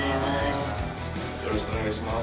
よろしくお願いします。